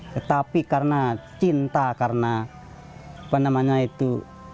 tetapi karena cinta karena apa namanya itu